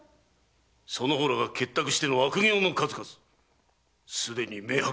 その方らが結託しての悪行の数々すでに明白。